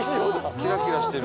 キラキラしてる。